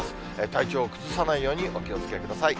体調を崩さないようにお気をつけください。